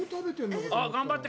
頑張って！